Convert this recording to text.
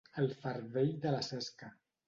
El fardell de la Cesca.